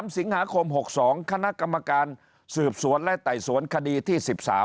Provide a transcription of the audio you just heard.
๓สิงหาคม๖๒คณะกรรมการสืบสวนและไต่สวนคดีที่๑๓